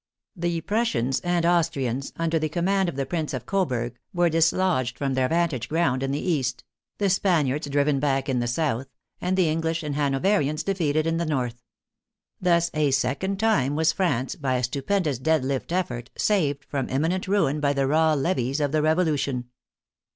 The Prussians and Austrians, under the command of the Prince of Coburg, were dislodged from their vantage ground in the east; the Spaniards driven back in the south, and the English and Hanoverians defeated in the north. Thus a second time was France, by a stupendous dead lift effort, saved from imminent ruin by the raw levies of the Revolution.